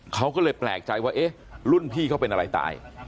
เขาก็เลยแปลกใจว่าเอ๊ะรุ่นพี่เขาเป็นอะไรตาย